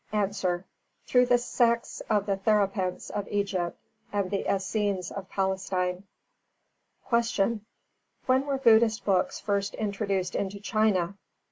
_ A. Through the sects of the Therapeuts of Egypt and the Essenes of Palestine. 306. Q. When were Buddhist books first introduced into China? A.